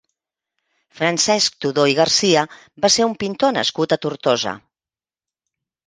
Francesc Todó i Garcia va ser un pintor nascut a Tortosa.